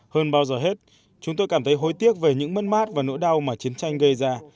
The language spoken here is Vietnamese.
hơn bao giờ hết chúng tôi cảm thấy hối tiếc về những mất mát và nỗi đau mà chiến tranh gây ra